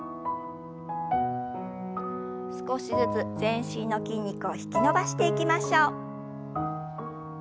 少しずつ全身の筋肉を引き伸ばしていきましょう。